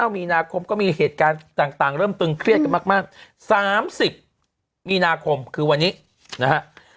มีนาคมก็มีเหตุการณ์ต่างเริ่มตึงเครียดกันมาก๓๐มีนาคมคือวันนี้นะฮะ